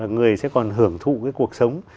người sẽ còn hưởng thụ cái cuộc sống